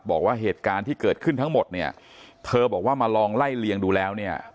บอกว่าเหตุการณ์ที่เกิดขึ้นทั้งหมดเนี่ยเธอบอกว่ามาลองไล่เลียงดูแล้วเนี่ย